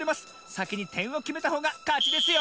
さきにてんをきめたほうがかちですよ！